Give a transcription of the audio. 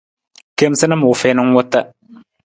Kemasanam u fiin ng wuta.